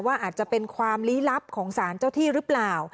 อาจจะเป็นความลี้ลับของสารเจ้าที่หรือเปล่า